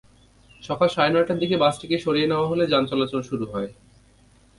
সকাল সাড়ে নয়টার দিকে বাসটিকে সরিয়ে নেওয়া হলে যানচলাচল শুরু হয়।